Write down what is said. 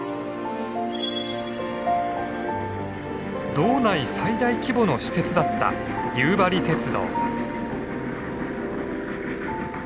道内最大規模の私鉄だった夕張鉄道。